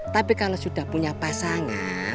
tapi kalau sudah punya pasangan